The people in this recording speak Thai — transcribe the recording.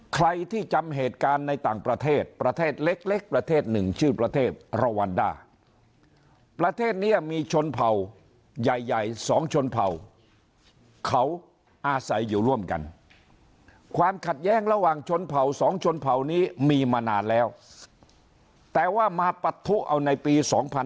ใครที่จำเหตุการณ์ในต่างประเทศประเทศเล็กประเทศหนึ่งชื่อประเทศราวันด้าประเทศนี้มีชนเผ่าใหญ่ใหญ่สองชนเผ่าเขาอาศัยอยู่ร่วมกันความขัดแย้งระหว่างชนเผ่าสองชนเผ่านี้มีมานานแล้วแต่ว่ามาปะทุเอาในปี๒๕๖๒